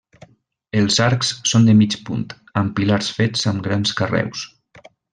Els arcs són de mig punt, amb pilars fets amb grans carreus.